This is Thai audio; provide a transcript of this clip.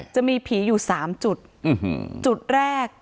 จะมีผีอยู่๓จุดจุดแรก